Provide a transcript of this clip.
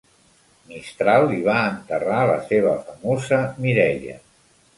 Mistral hi va enterrar la seva famosa Mireia.